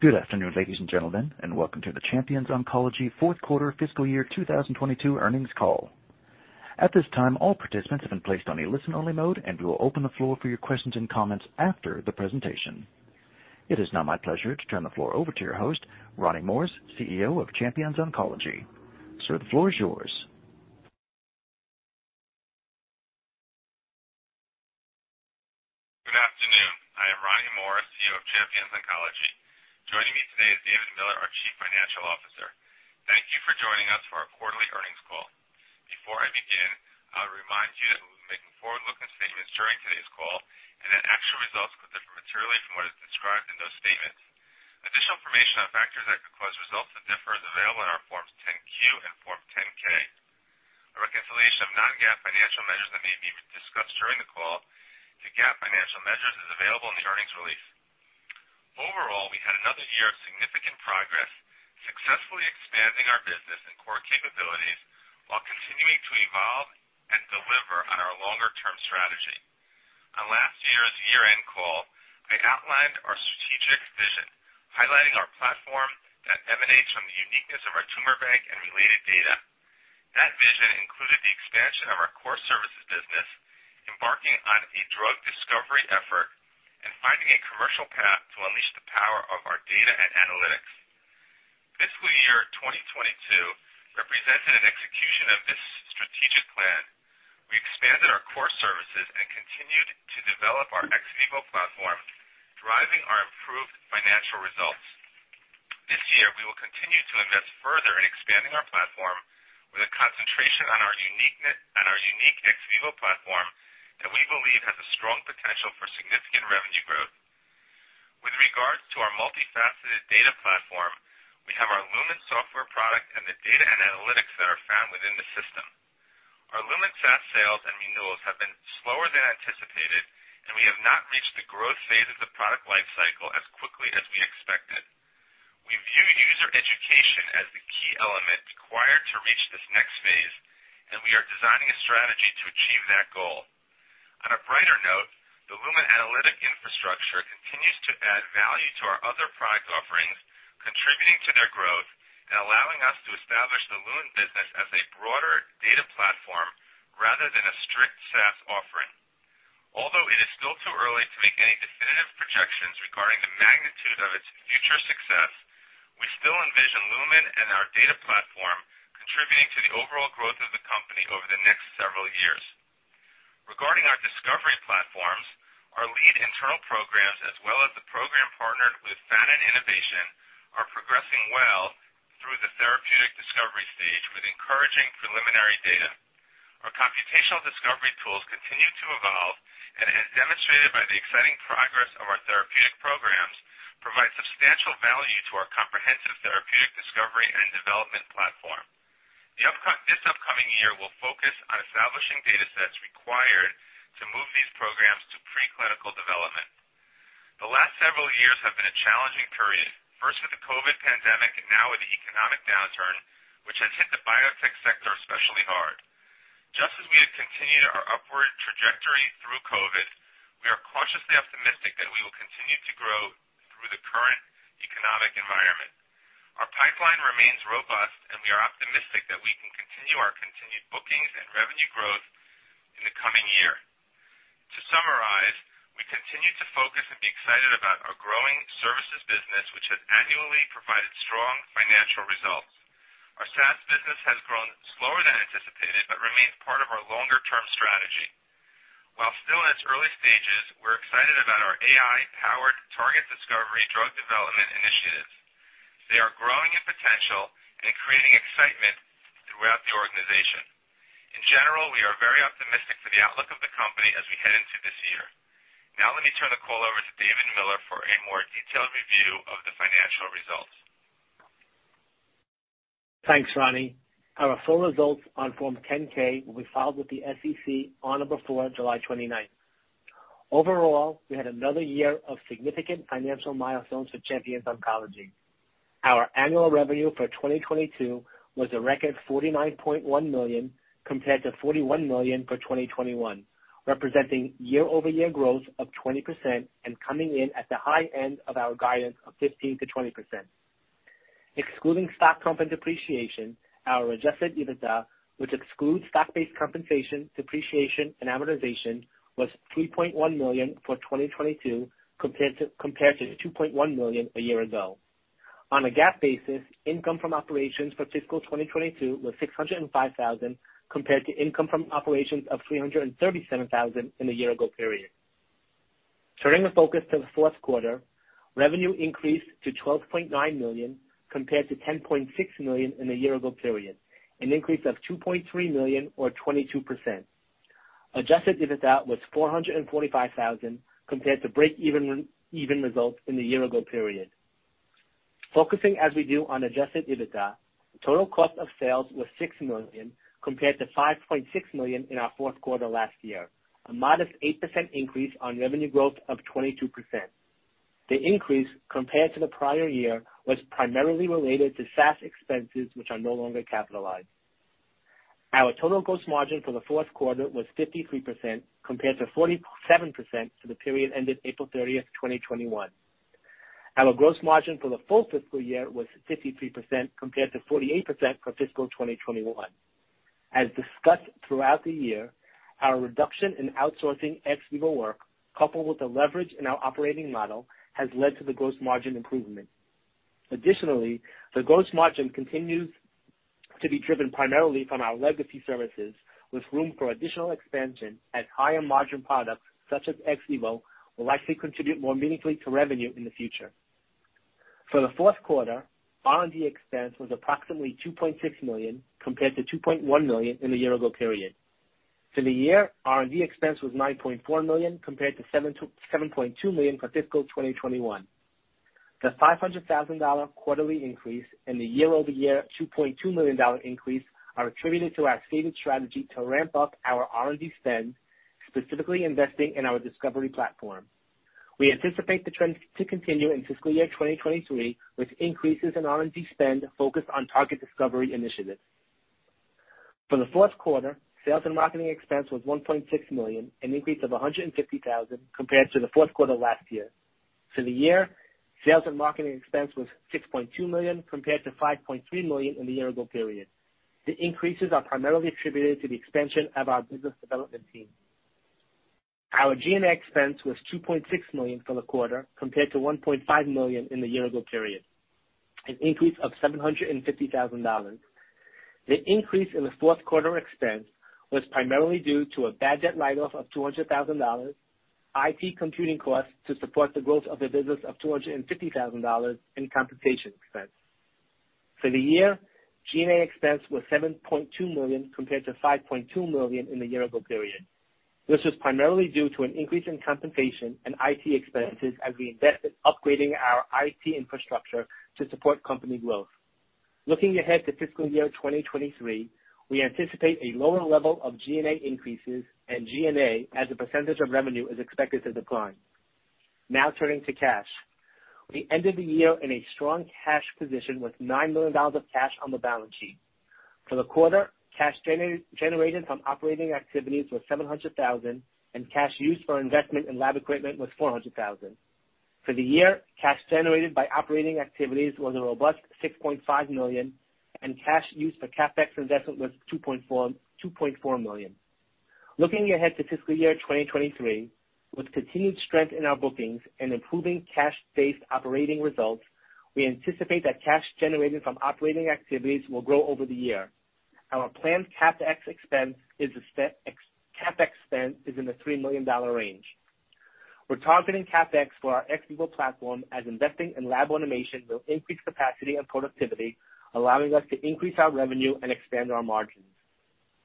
Good afternoon, ladies and gentlemen, and welcome to the Champions Oncology fourth quarter fiscal year 2022 earnings call. At this time, all participants have been placed on a listen-only mode, and we will open the floor for your questions and comments after the presentation. It is now my pleasure to turn the floor over to your host, Ronnie Morris, CEO of Champions Oncology. Sir, the floor is yours. Good afternoon. I am Ronnie Morris, CEO of Champions Oncology. Joining me today is David Miller, our Chief Financial Officer. Thank you for joining us for our quarterly earnings call. Before I begin, I'll remind you that we'll be making forward-looking statements during today's call and that actual results could differ materially from what is described in those statements. Additional information on factors that could cause results to differ is available in our Forms 10-Q and Form 10-K. A reconciliation of non-GAAP financial measures that may be discussed during the call to GAAP financial measures is available in the earnings release. Overall, we had another year of significant progress, successfully expanding our business and core capabilities while continuing to evolve and deliver on our longer-term strategy. On last year's year-end call, I outlined our strategic vision, highlighting our platform that emanates from the uniqueness of our tumor bank and related data. That vision included the expansion of our core services business, embarking on a drug discovery effort, and finding a commercial path to unleash the power of our data and analytics. Fiscal year 2022 represented an execution of this strategic plan. We expanded our core services and continued to develop our ex vivo platform, driving our improved financial results. This year, we will continue to invest further in expanding our platform with a concentration on our uniqueness, on our unique ex vivo platform that we believe has a strong potential for significant revenue growth. With regards to our multifaceted data platform, we have our Lumin software product and the data and analytics that are found within the system. Our Lumin SaaS sales and renewals have been slower than anticipated, and we have not reached the growth phase of the product life cycle as quickly as we expected. We view user education as the key element required to reach this next phase, and we are designing a strategy to achieve that goal. On a brighter note, the Lumin analytic infrastructure continues to add value to our other product offerings, contributing to their growth and allowing us to establish the Lumin business as a broader data platform rather than a strict SaaS offering. Although it is still too early to make any definitive projections regarding the magnitude of its future success, we still envision Lumin and our data platform contributing to the overall growth of the company over the next several years. Regarding our discovery platforms, our lead internal programs, as well as the program partnered with Fannin Innovation Studio, are progressing well through the therapeutic discovery stage with encouraging preliminary data. Our computational discovery tools continue to evolve and as demonstrated by the exciting progress of our therapeutic programs, provide substantial value to our comprehensive therapeutic discovery and development platform. This upcoming year will focus on establishing datasets required to move these programs to preclinical development. The last several years have been a challenging period, first with the COVID pandemic and now with the economic downturn, which has hit the biotech sector especially hard. Just as we have continued our upward trajectory through COVID, we are cautiously optimistic that we will continue to grow through the current economic environment. Our pipeline remains robust, and we are optimistic that we can continue our continued bookings and revenue growth in the coming year. To summarize, we continue to focus and be excited about our growing services business, which has annually provided strong financial results. Our SaaS business has grown slower than anticipated but remains part of our longer-term strategy. While still in its early stages, we're excited about our AI-powered target discovery drug development initiatives. They are growing in potential and creating excitement throughout the organization. In general, we are very optimistic for the outlook of the company as we head into this year. Now let me turn the call over to David Miller for a more detailed review of the financial results. Thanks, Ronnie. Our full results on Form 10-K will be filed with the SEC on or before July 29. Overall, we had another year of significant financial milestones for Champions Oncology. Our annual revenue for 2022 was a record $49.1 million compared to $41 million for 2021, representing year-over-year growth of 20% and coming in at the high end of our guidance of 15%-20%. Excluding stock comp and depreciation, our adjusted EBITDA, which excludes stock-based compensation, depreciation, and amortization, was $3.1 million for 2022 compared to $2.1 million a year ago. On a GAAP basis, income from operations for fiscal 2022 was $605 thousand, compared to income from operations of $337 thousand in the year ago period. Turning the focus to the fourth quarter, revenue increased to $12.9 million compared to $10.6 million in the year ago period, an increase of $2.3 million or 22%. Adjusted EBITDA was $445,000 compared to break-even results in the year ago period. Focusing as we do on adjusted EBITDA, total cost of sales was $6 million compared to $5.6 million in our fourth quarter last year, a modest 8% increase on revenue growth of 22%. The increase compared to the prior year was primarily related to SaaS expenses, which are no longer capitalized. Our total gross margin for the fourth quarter was 53% compared to 47% for the period ended April 30th, 2021. Our gross margin for the full fiscal year was 53% compared to 48% for fiscal 2021. As discussed throughout the year, our reduction in outsourcing ex vivo work, coupled with the leverage in our operating model, has led to the gross margin improvement. Additionally, the gross margin continues to be driven primarily from our legacy services, with room for additional expansion as higher margin products such as ex vivo will likely contribute more meaningfully to revenue in the future. For the fourth quarter, R&D expense was approximately $2.6 million, compared to $2.1 million in the year ago period. For the year, R&D expense was $9.4 million, compared to $7.2 million for fiscal 2021. The $500,000 quarterly increase and the year-over-year $2.2 million increase are attributed to our stated strategy to ramp up our R&D spend, specifically investing in our discovery platform. We anticipate the trend to continue in fiscal year 2023, with increases in R&D spend focused on target discovery initiatives. For the fourth quarter, sales and marketing expense was $1.6 million, an increase of $150,000 compared to the fourth quarter last year. For the year, sales and marketing expense was $6.2 million compared to $5.3 million in the year ago period. The increases are primarily attributed to the expansion of our business development team. Our G&A expense was $2.6 million for the quarter, compared to $1.5 million in the year ago period, an increase of $750,000. The increase in the fourth quarter expense was primarily due to a bad debt write-off of $200,000, IT computing costs to support the growth of the business of $250,000, and compensation expense. For the year, G&A expense was $7.2 million compared to $5.2 million in the year ago period. This was primarily due to an increase in compensation and IT expenses as we invested upgrading our IT infrastructure to support company growth. Looking ahead to fiscal year 2023, we anticipate a lower level of G&A increases and G&A as a percentage of revenue is expected to decline. Now turning to cash. We ended the year in a strong cash position with $9 million of cash on the balance sheet. For the quarter, cash generated from operating activities was $700,000 and cash used for investment in lab equipment was $400,000. For the year, cash generated by operating activities was a robust $6.5 million, and cash used for CapEx investment was $2.4 million. Looking ahead to fiscal year 2023, with continued strength in our bookings and improving cash-based operating results, we anticipate that cash generated from operating activities will grow over the year. Our planned CapEx spend is in the $3 million range. We're targeting CapEx for our ex vivo platform as investing in lab automation will increase capacity and productivity, allowing us to increase our revenue and expand our margins.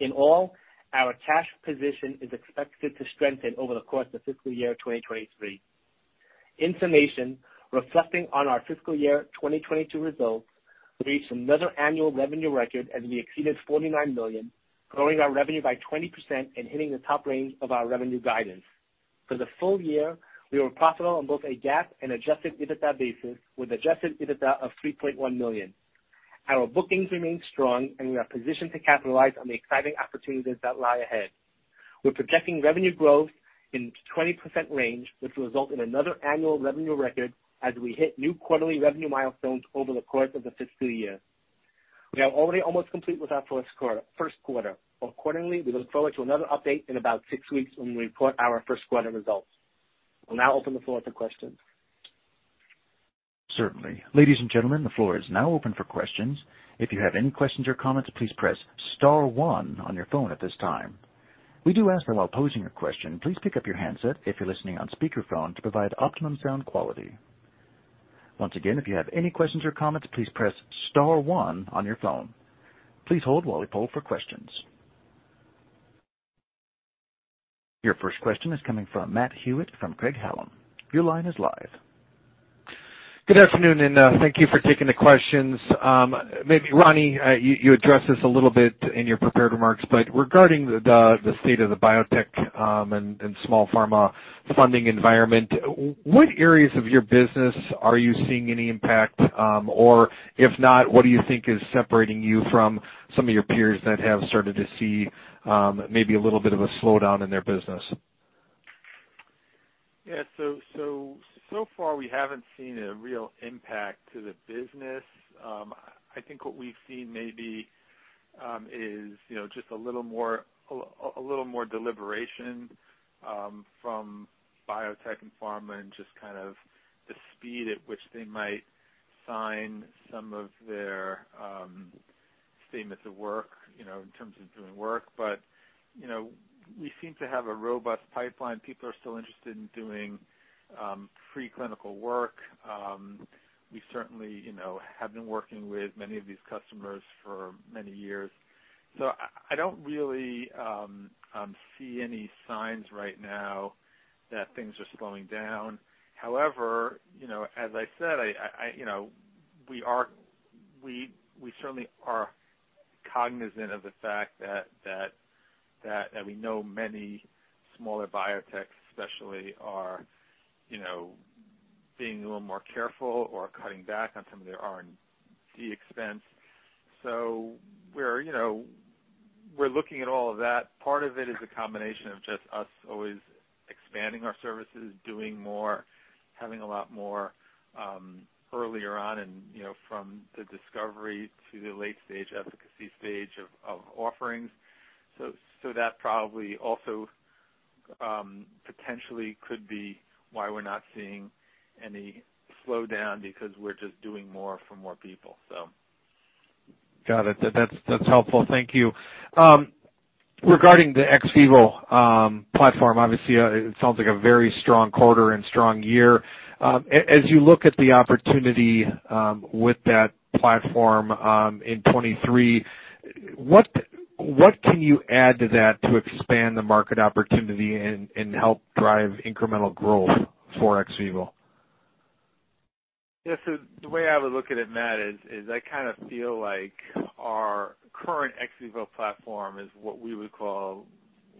In all, our cash position is expected to strengthen over the course of fiscal year 2023. In summation, reflecting on our fiscal year 2022 results, we reached another annual revenue record as we exceeded $49 million, growing our revenue by 20% and hitting the top range of our revenue guidance. For the full year, we were profitable on both a GAAP and adjusted EBITDA basis, with adjusted EBITDA of $3.1 million. Our bookings remain strong, and we are positioned to capitalize on the exciting opportunities that lie ahead. We're projecting revenue growth in 20% range, which will result in another annual revenue record as we hit new quarterly revenue milestones over the course of the fiscal year. We are already almost complete with our first quarter. Accordingly, we look forward to another update in about six weeks when we report our first quarter results. We'll now open the floor to questions. Certainly. Ladies and gentlemen, the floor is now open for questions. If you have any questions or comments, please press star one on your phone at this time. We do ask that while posing your question, please pick up your handset if you're listening on speakerphone to provide optimum sound quality. Once again, if you have any questions or comments, please press star one on your phone. Please hold while we poll for questions. Your first question is coming from Matt Hewitt from Craig-Hallum. Your line is live. Good afternoon, and thank you for taking the questions. Maybe Ronnie, you addressed this a little bit in your prepared remarks, but regarding the state of the biotech and small pharma funding environment, what areas of your business are you seeing any impact? Or if not, what do you think is separating you from some of your peers that have started to see maybe a little bit of a slowdown in their business? Yeah. So far, we haven't seen a real impact to the business. I think what we've seen maybe is you know just a little more deliberation from biotech and pharma and just kind of the speed at which they might sign some of their statements of work you know in terms of doing work. We seem to have a robust pipeline. People are still interested in doing preclinical work. We certainly you know have been working with many of these customers for many years. I don't really see any signs right now that things are slowing down. However, you know, as I said, I you know, we certainly are cognizant of the fact that we know many smaller biotech especially are, you know. Being a little more careful or cutting back on some of their R&D expense. We're, you know, we're looking at all of that. Part of it is a combination of just us always expanding our services, doing more, having a lot more, earlier on and, you know, from the discovery to the late-stage efficacy stage of offerings. So that probably also potentially could be why we're not seeing any slowdown because we're just doing more for more people, so. Got it. That's helpful. Thank you. Regarding the ex vivo platform, obviously, it sounds like a very strong quarter and strong year. As you look at the opportunity with that platform in 2023, what can you add to that to expand the market opportunity and help drive incremental growth for ex vivo? Yeah. The way I would look at it, Matt, is I kinda feel like our current ex vivo platform is what we would call,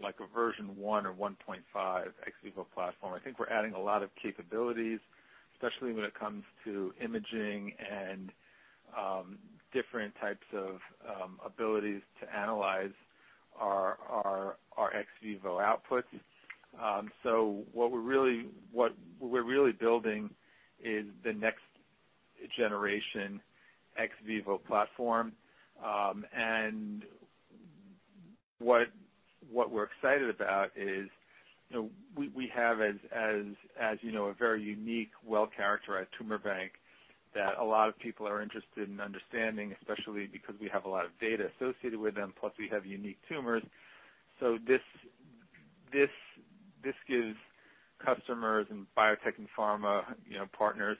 like, a version 1 or 1.5 Ex vivo platform. I think we're adding a lot of capabilities, especially when it comes to imaging and different types of abilities to analyze our ex vivo outputs. What we're really building is the next generation ex vivo platform. What we're excited about is, you know, we have, as you know, a very unique, well-characterized tumor bank that a lot of people are interested in understanding, especially because we have a lot of data associated with them, plus we have unique tumors. This gives customers and biotech and pharma, you know, partners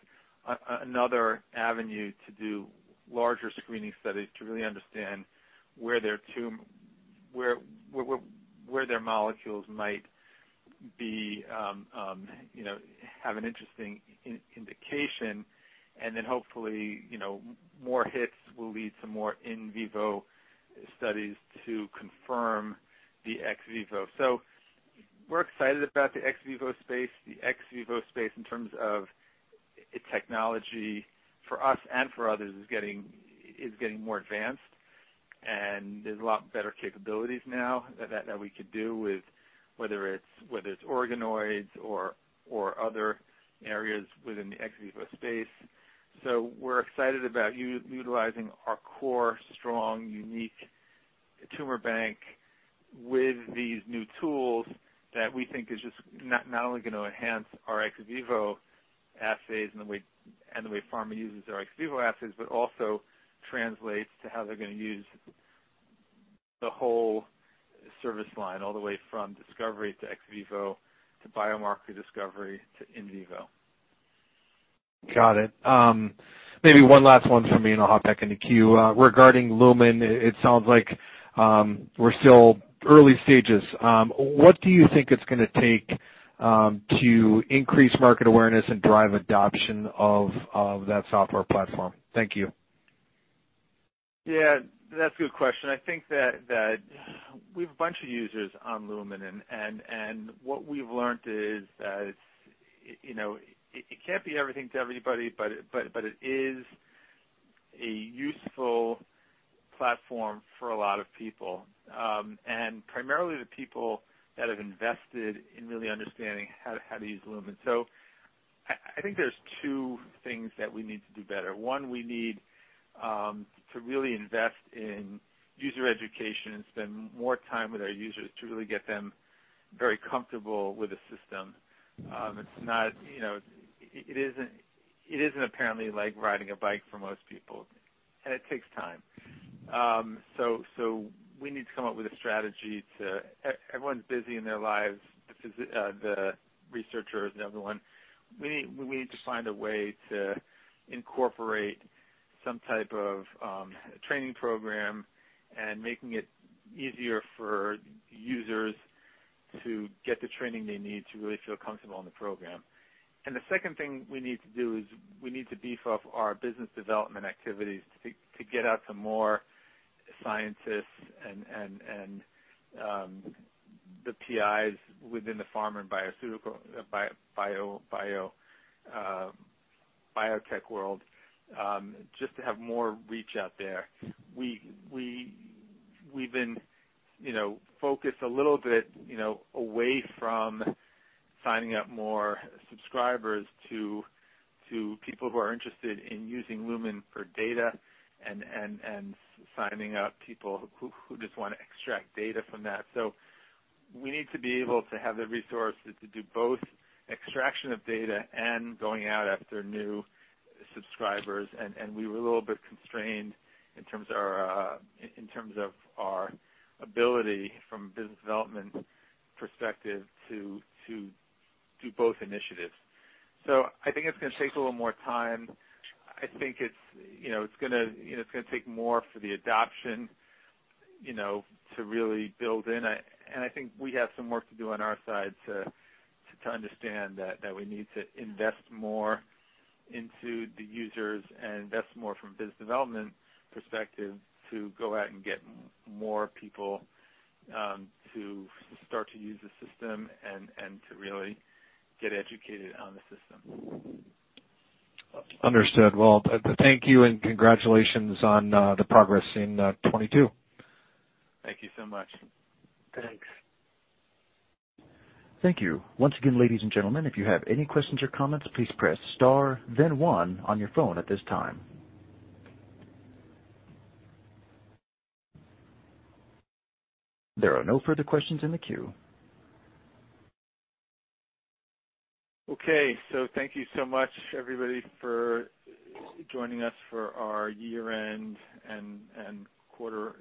another avenue to do larger screening studies to really understand where their molecules might be, you know, have an interesting indication. Hopefully, you know, more hits will lead to more in vivo studies to confirm the ex vivo. We're excited about the ex vivo space. The ex vivo space in terms of technology for us and for others is getting more advanced. There's a lot better capabilities now that we could do with whether it's organoids or other areas within the ex vivo space. We're excited about utilizing our core, strong, unique tumor bank with these new tools that we think is just not only gonna enhance our ex vivo assays and the way pharma uses their ex vivo assays, but also translates to how they're gonna use the whole service line. All the way from discovery to ex vivo to biomarker discovery to in vivo. Got it. Maybe one last one from me, and I'll hop back in the queue. Regarding Lumin, it sounds like we're still early stages. What do you think it's gonna take to increase market awareness and drive adoption of that software platform? Thank you. Yeah, that's a good question. I think that we've a bunch of users on Lumin and what we've learned is that it's, you know, it can't be everything to everybody, but it is a useful platform for a lot of people, and primarily the people that have invested in really understanding how to use Lumin. I think there's two things that we need to do better. One, we need to really invest in user education and spend more time with our users to really get them very comfortable with the system. It's not, you know. It isn't apparently like riding a bike for most people, and it takes time. We need to come up with a strategy. Everyone's busy in their lives, the researchers and everyone. We need to find a way to incorporate some type of training program and making it easier for users to get the training they need to really feel comfortable on the program. The second thing we need to do is we need to beef up our business development activities to get out to more scientists and the PIs within the pharma and biopharmaceutical biotech world just to have more reach out there. We've been, you know, focused a little bit, you know, away from signing up more subscribers to people who are interested in using Lumin for data and signing up people who just wanna extract data from that. We need to be able to have the resources to do both extraction of data and going out after new subscribers. We were a little bit constrained in terms of our ability from a business development perspective to do both initiatives. I think it's gonna take a little more time. I think it's you know it's gonna take more for the adoption you know to really build in. I think we have some work to do on our side to understand that we need to invest more into the users and invest more from a business development perspective to go out and get more people to start to use the system and to really get educated on the system. Understood. Well, thank you, and congratulations on the progress in 2022. Thank you so much. Thanks. Thank you. Once again, ladies and gentlemen, if you have any questions or comments, please press star then one on your phone at this time. There are no further questions in the queue. Okay. Thank you so much, everybody, for joining us for our year-end and quarter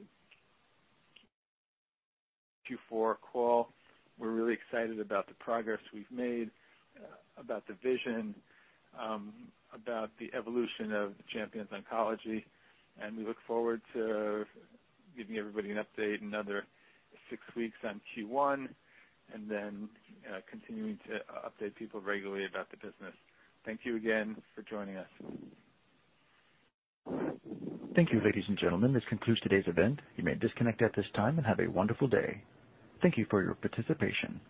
Q4 call. We're really excited about the progress we've made, about the vision, about the evolution of Champions Oncology, and we look forward to giving everybody an update another six weeks on Q1, and then continuing to update people regularly about the business. Thank you again for joining us. Thank you, ladies and gentlemen. This concludes today's event. You may disconnect at this time, and have a wonderful day. Thank you for your participation.